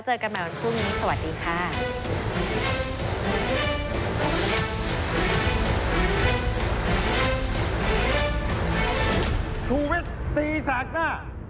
เจอกันใหม่วันพรุ่งนี้สวัสดีค่ะ